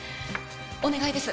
お願いです。